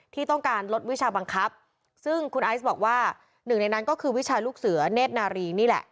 ที่ต้องการลดวิชาบังคับซึ่งคุณไอซ์บอกว่าหนึ่งในนั้นก็คือวิชาลูกเสือเนธนารีนี่แหละ